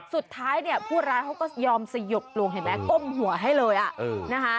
สุดท้ายเนี่ยผู้ร้ายเขาก็ยอมสยบลงเห็นไหมก้มหัวให้เลยอ่ะนะคะ